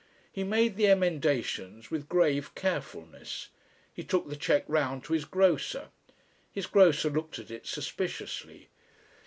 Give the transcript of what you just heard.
He made the emendations with grave carefulness. He took the cheque round to his grocer. His grocer looked at it suspiciously.